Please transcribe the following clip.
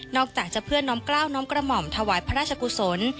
จากจะเพื่อน้อมกล้าวน้อมกระหม่อมถวายพระราชกุศล